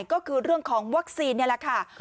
ก็คือเรื่องของวัคซีนนี่แหละค่ะ